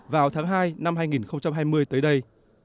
vào tháng hai năm hai nghìn hai mươi tới đây